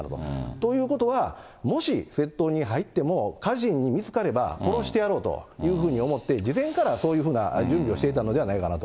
ということは、もし窃盗に入っても、家人に見つかれば殺してやろうというふうに思って、事前からそういうふうな準備をしていたのではないかなと。